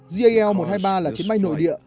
jal một trăm hai mươi ba là chiến bay nội địa